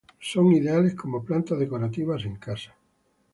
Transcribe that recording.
Son ideales como plantas decorativas en casa.